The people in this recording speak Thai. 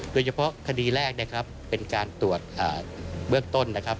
โดยเฉพาะคดีแรกนะครับเป็นการตรวจเบื้องต้นนะครับ